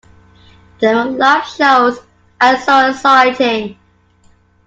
They were live shows and so exciting.